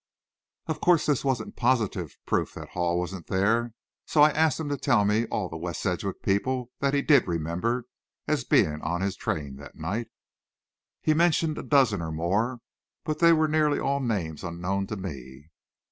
Of course this wasn't positive proof that Hall wasn't there, so I asked him to tell me all the West Sedgwick people that he did remember as being on his train that night. He mentioned a dozen or more, but they were nearly all names unknown to me.